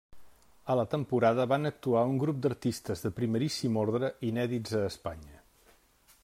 A la temporada van actuar un grup d'artistes de primeríssim ordre, inèdits a Espanya.